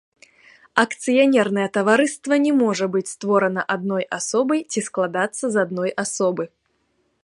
Акцыянернае таварыства не можа быць створана адной асобай ці складацца з адной асобы.